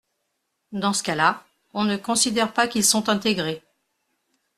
Dans ce cas-là, on ne considère pas qu’ils sont intégrés.